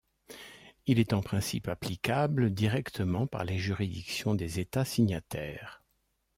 Il est en principe applicable directement par les juridictions des États signataires.